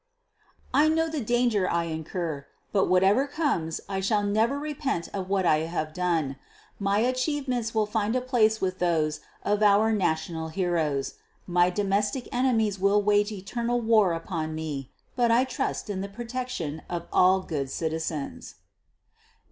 _I know the danger I incur; but whatever comes I shall never repent of what I have done. My achievements will find a place with those of our national heroes. My domestic enemies will wage eternal war upon me; but I trust in the protection of all good citizens.